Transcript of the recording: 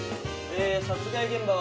殺害現場は。